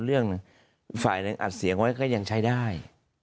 เรื่องฝ่ายนั้นอัดเสียงไว้ก็ยังใช้ได้